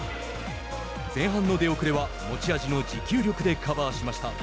前半の出遅れは持ち味の持久力でカバーしました。